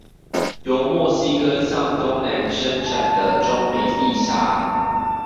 由墨西哥向東南伸展的中美地峽